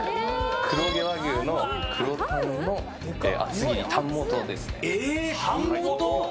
黒毛和牛の黒タンの厚切りタンモトですね。